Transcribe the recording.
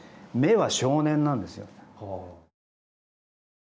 目は少年なんですよ。